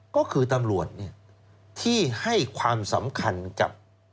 ก็คือตำรวจที่ให้ความสำคัญกับ